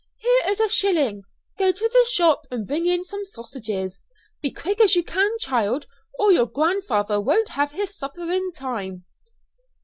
Here is a shilling; go to the shop and bring in some sausages. Be as quick as you can, child, or your grandfather won't have his supper in time."